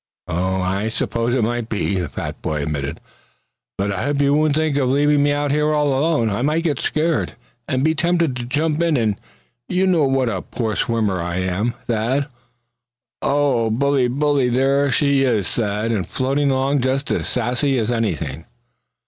"Oh! I suppose it might be;" the fat boy admitted; "but I hope you won't think of leaving me out here all alone. I might get a scare, and be tempted to jump in; and you know what a poor swimmer I am, Thad. Oh! bully, bully, there she is, Thad, and floating along just as sassy as anything!"